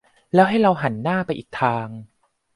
แล้วให้เราหันหน้าไปอีกทาง